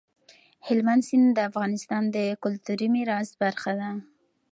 هلمند سیند د افغانستان د کلتوري میراث برخه ده.